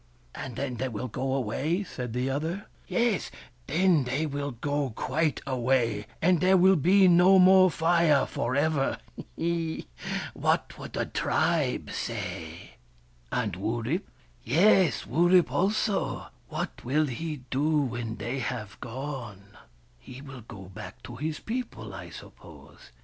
" And then they will go away," said the other. " Yes, then they will go quite away, and tliere 248 VVURIP, THE FIRE BRINGER will be no more Fire for ever. He he ! what would the tribe say !"" And Wurip !"" Yes, Wurip also. What will he do when they have gone ?"" He will go back to his people, I suppose.